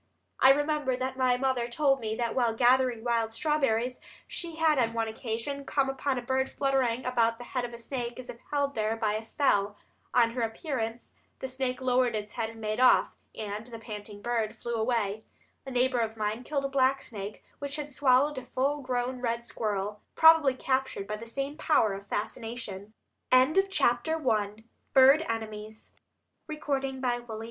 I remember that my mother told me that while gathering wild strawberries she had on one occasion come upon a bird fluttering about the head of a snake as if held there by a spell. On her appearance, the snake lowered its head and made off, and the panting bird flew away. A neighbor of mine killed a black snake which had swallowed a full grown red squirrel, probably captured by the same power of fascination. THE TRAGEDIES OF THE NESTS The life of the birds, especially of our migr